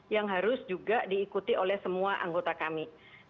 yang harus juga diikuti oleh semua anggota kami